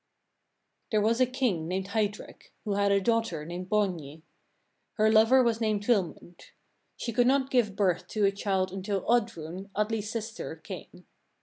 There was a king named Heidrek, who had a daughter named Borgny. Her lover was named Vilmund. She could not give birth to a child until Oddrun, Atli's sister, came.